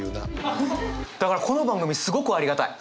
だからこの番組すごくありがたい。